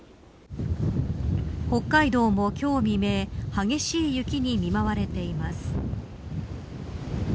北海道も今日未明激しい雪に見舞われています。